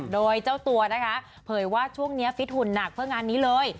โดยเจ้าตัวนะคะเผยว่าช่วงนี้ฟิตหุ่นหนักเพื่องานนี้เลย